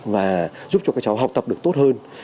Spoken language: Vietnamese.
và giúp cho các cháu học tập được tốt hơn